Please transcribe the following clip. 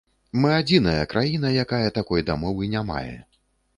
Мы адзіная краіна, якая такой дамовы не мае.